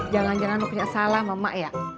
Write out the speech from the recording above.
jangan jangan lo punya salah sama emak ya